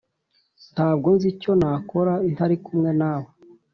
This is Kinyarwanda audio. ntabwo nzi icyo nakora ntari kumwe nawe.